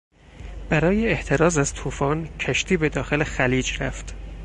برای احتراز از توفان، کشتی به داخل خلیج رفت.